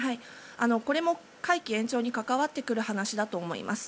これも会期延長に関わってくる話だと思います。